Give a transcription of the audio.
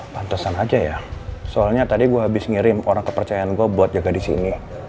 pantesan aja ya soalnya tadi gue habis ngirim orang kepercayaan gue buat jaga di sini